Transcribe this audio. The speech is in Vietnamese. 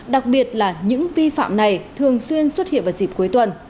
đặc biệt là những vi phạm này thường xuyên xuất hiện vào dịp cuối tuần